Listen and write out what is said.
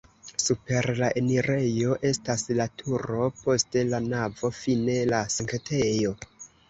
Super la enirejo estas la turo, poste la navo, fine la sanktejo.